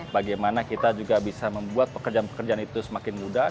bagaimana kita juga bisa membuat pekerjaan pekerjaan itu semakin mudah